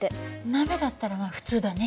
鍋だったらまあ普通だね。